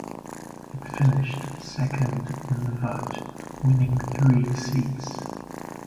It finished second in the vote, winning three seats.